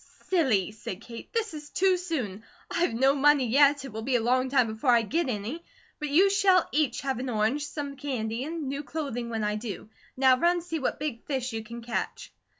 "Silly," said Kate. "This is too soon. I've no money yet, it will be a long time before I get any; but you shall each have an orange, some candy, and new clothing when I do. Now run see what big fish you can catch."